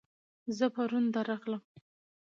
زه پرون درغلم